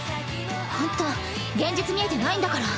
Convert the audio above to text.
ほんと現実見えてないんだから。